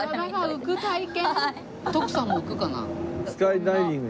徳さんも浮くかな？